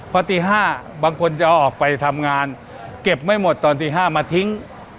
พอตี๕บางคนจะออกไปทำงานเก็บไม่หมดตอนตี๕มาทิ้ง